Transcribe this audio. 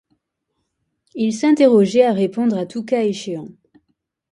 Il s’interroguoyt à respondre à tous cas eschéans.